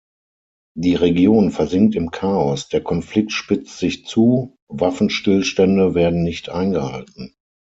Die Region versinkt im Chaos, der Konflikt spitzt sich zu, Waffenstillstände werden nicht eingehalten.